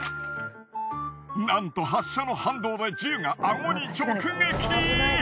なんと発射の反動で銃がアゴに直撃！